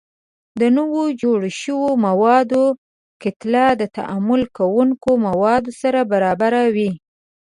د نوو جوړ شویو موادو کتله د تعامل کوونکو موادو سره برابره وي.